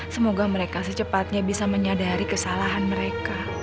semoga mereka secepatnya bisa menyadari kesalahan mereka